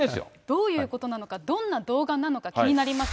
どういうことなのか、どんな動画なのか気になります。